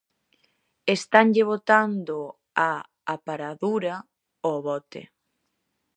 Estanlle botando a aparadura ao bote.